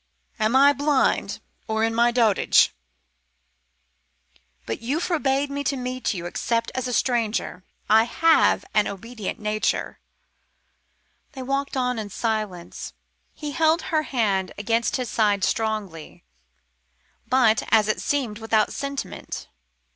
"Am I blind or in my dotage? But you forbade me to meet you except as a stranger. I have an obedient nature." They walked on in silence. He held her hand against his side strongly, but, as it seemed, without sentiment.